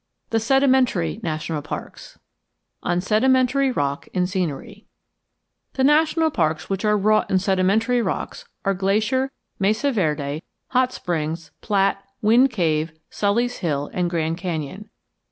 THE SEDIMENTARY NATIONAL PARKS XII ON SEDIMENTARY ROCK IN SCENERY The national parks which are wrought in sedimentary rocks are Glacier, Mesa Verde, Hot Springs, Platt, Wind Cave, Sully's Hill, and Grand Canyon.